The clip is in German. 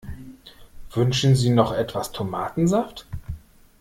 Wünschen Sie noch etwas Tomatensaft?